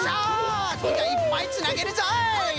そんじゃいっぱいつなげるぞい。